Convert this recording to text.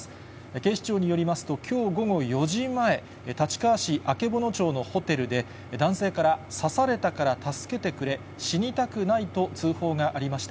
警視庁によりますと、きょう午後４時前、立川市曙町のホテルで、男性から、刺されたから助けてくれ、死にたくないと通報がありました。